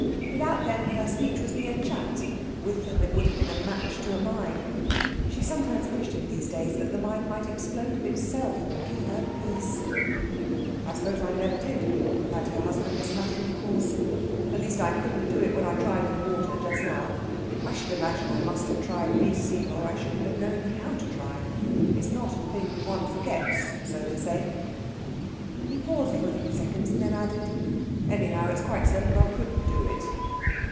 Without them her speech was mere chat; with them it would have been a match to a mine. She sometimes wished in these days that the mine might explode of itself, and give her peace. "I suppose I never did," replied her husband, as a matter of course. "At least, I couldn't do it when I tried in the water just now. I should imagine I must have tried B.C., or I shouldn't have known how to try. It's not a thing one forgets, so they say." He paused a few seconds, and then added: "Anyhow, it's quite certain I couldn't do it."